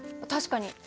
確かに。